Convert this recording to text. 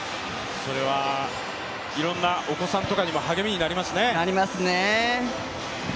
それはお子さんとかにも励みになりますね。